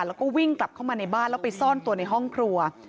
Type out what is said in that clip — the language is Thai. แล้วก็วิ่งกลับเข้ามาในบ้านแล้วไปซ่อนตัวในห้องครัว